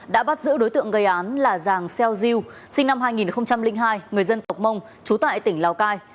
đã bắt giữ đối tượng gây án là giàng seo jiu sinh năm hai nghìn hai người dân tộc mông trú tại tỉnh lào cai